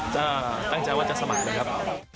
ก็ตั้งใจว่าจะสมัครนะครับ